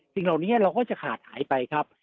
สิ่งเหล่านี้เราก็จะขาดหายไปครับ